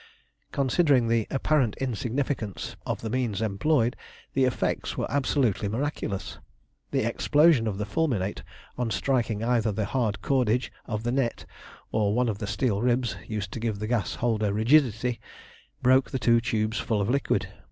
Considering the apparent insignificance of the means employed, the effects were absolutely miraculous. The explosion of the fulminate on striking either the hard cordage of the net or one of the steel ribs used to give the gas holder rigidity, broke the two tubes full of liquid.